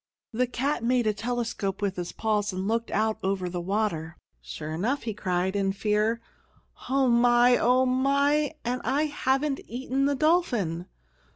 The cat made a telescope with his paws, and looked out over the water. "Sure enough!" he cried, in fear. "Oh, my! Oh, my! and I haven't eaten the dolphin!"